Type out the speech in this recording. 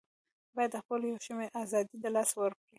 بايد خپل يو شمېر آزادۍ د لاسه ورکړي